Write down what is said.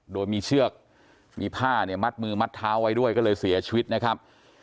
โดยมีเชือกมีผ้าเนี่ยมัดมือมัดเท้าไว้ด้วยก็เลยเสียชีวิตนะครับ